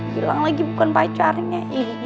bilang lagi bukan pacarnya